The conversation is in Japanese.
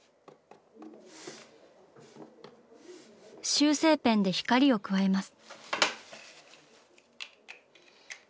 修正ペンで光を加えます。